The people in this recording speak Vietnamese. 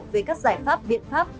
về các giải pháp biện pháp